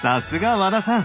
和田さん！